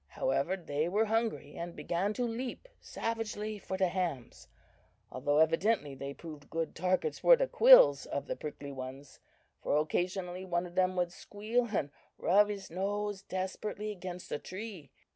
However, they were hungry, and began to leap savagely for the hams, although evidently they proved good targets for the quills of the prickly ones, for occasionally one of them would squeal and rub his nose desperately against the tree.